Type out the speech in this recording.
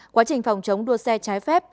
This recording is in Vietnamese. quá trình phòng chống đua xe trái phép